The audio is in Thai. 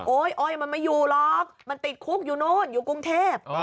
อ้อยมันไม่อยู่หรอกมันติดคุกอยู่นู้นอยู่กรุงเทพ